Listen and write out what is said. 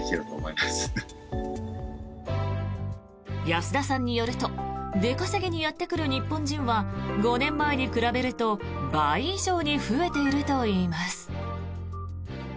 安田さんによると出稼ぎにやってくる日本人は５年前に比べると倍以上に増えているといいます。